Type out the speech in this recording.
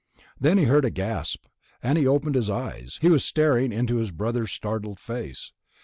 Then he heard a gasp, and he opened his eyes. He was staring into his brother's startled face.